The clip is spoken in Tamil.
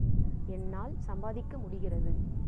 என்னால் சம்பாதிக்க முடிகிறது.